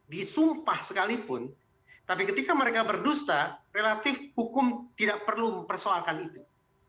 disumpah sekalipun tapi ketika mereka berdusta relatif hukum tidak perlu mempersoalkan itu